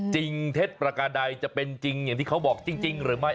เท็จประการใดจะเป็นจริงอย่างที่เขาบอกจริงหรือไม่